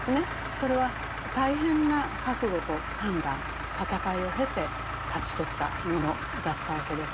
それは大変な覚悟と判断闘いを経て勝ち取ったものだったわけです。